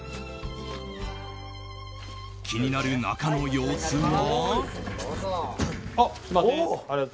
気になる中の様子は。